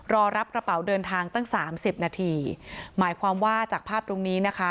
รอรับกระเป๋าเดินทางตั้งสามสิบนาทีหมายความว่าจากภาพตรงนี้นะคะ